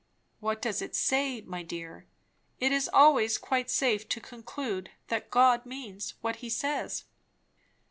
"What does it say, my dear? It is always quite safe to conclude that God means what he says."